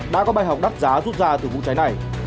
đã có bài học đắt giá rút ra từ vụ cháy này